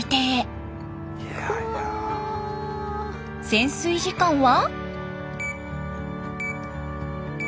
潜水時間は。